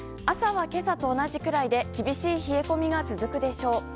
朝は今朝と同じくらいで厳しい冷え込みが続くでしょう。